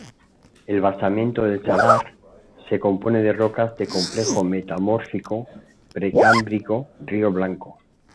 El basamento del salar se compone de rocas del complejo metamórfico precámbrico Río Blanco.